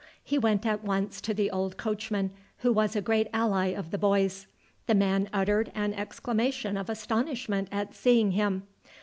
He went at once to the old coachman, who was a great ally of the boys. The man uttered an exclamation of astonishment at seeing him.